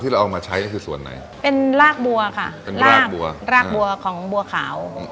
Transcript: เราเอามาใช้นี่คือส่วนไหนเป็นรากบัวค่ะเป็นรากบัวรากบัวของบัวขาว